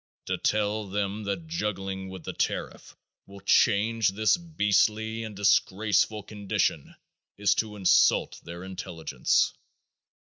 To tell them that juggling with the tariff will change this beastly and disgraceful condition is to insult their intelligence.